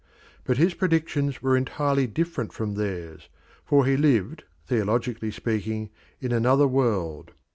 But his predictions were entirely different from theirs, for he lived, theologically speaking, in another world.